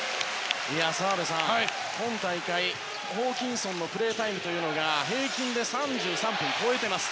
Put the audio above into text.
澤部さん、今大会ホーキンソンのプレータイムが平均で３３分を超えています。